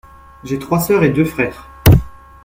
J’ai trois sœurs et deux frères.